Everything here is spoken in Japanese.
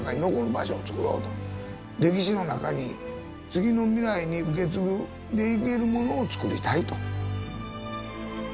歴史の中に次の未来に受け継いでいけるものをつくりたいと。